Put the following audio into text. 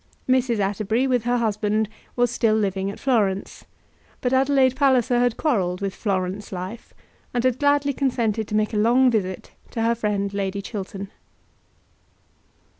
Mrs. Atterbury, with her husband, was still living at Florence; but Adelaide Palliser had quarrelled with Florence life, and had gladly consented to make a long visit to her friend Lady Chiltern.